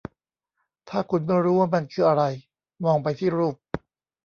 ถ้าคุณไม่รู้ว่ามันคืออะไร มองไปที่รูป